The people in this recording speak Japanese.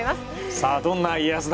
さあどんな家康だ？